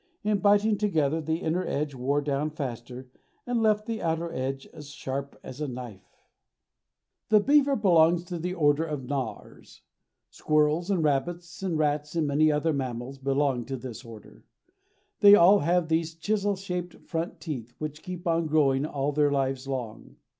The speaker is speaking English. In biting together, the inner edge wore down faster, and left the outer edge as sharp as a knife. The beaver belongs to the Order of Gnawers. Squirrels and rabbits and rats and many other mammals belong to this order. They all have these chisel shaped front teeth, which keep on growing all their lives long.